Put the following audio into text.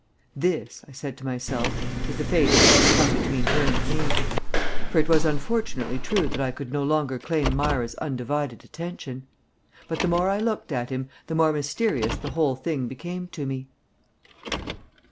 "This," I said to myself, "is the face which has come between her and me," for it was unfortunately true that I could no longer claim Myra's undivided attention. But the more I looked at him the more mysterious the whole thing became to me.